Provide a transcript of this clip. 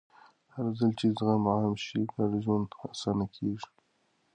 هرځل چې زغم عام شي، ګډ ژوند اسانه کېږي.